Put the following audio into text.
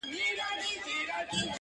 له غزل غزل د میني له داستانه ښایسته یې-